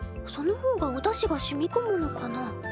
その方がおだしがしみこむのかな。